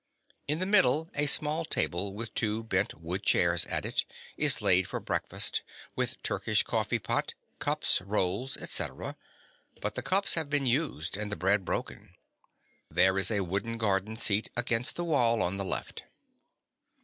In the middle a small table, with two bent wood chairs at it, is laid for breakfast with Turkish coffee pot, cups, rolls, etc.; but the cups have been used and the bread broken. There is a wooden garden seat against the wall on the left.